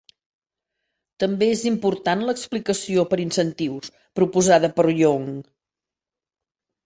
També és important l'explicació per incentius, proposada per Young.